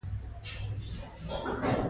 څیړنه نوي شیان رابرسیره کوي